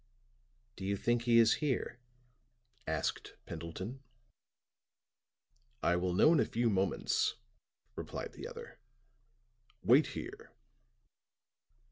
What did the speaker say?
"Do you think he is there?" asked Pendleton. "I will know in a few moments," replied the other. "Wait here."